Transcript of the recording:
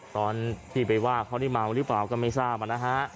ตอนที่ไปว่าเขานี่เมาหรือเปล่าก็ไม่ทราบนะฮะ